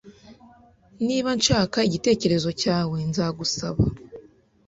Niba nshaka igitekerezo cyawe, nzagusaba.